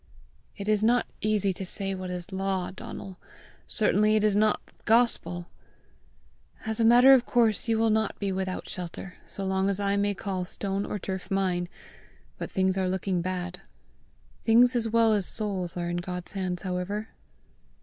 "It is not easy to say what is law, Donal; certainly it is not gospel! As a matter of course you will not be without shelter, so long as I may call stone or turf mine, but things are looking bad! Things as well as souls are in God's hands however!"